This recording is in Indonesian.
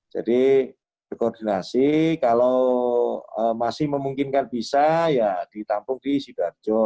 jadi berkoordinasi kalau masih memungkinkan bisa ya ditampung di sidoarjo